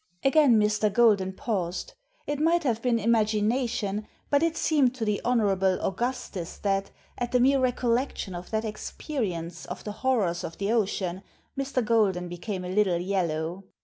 Agfain Mr. Golden paused. It might have been imagination, but it seemed to the Hon. Augustus that, at the mere recollection of that experience of the horrors of the ocean, Mr. Golden became a little yellow.